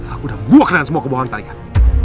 aku sudah buah kenangan semua kebohongan kalian